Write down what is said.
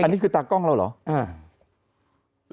อันนี้คือตากล้องเราเหรอ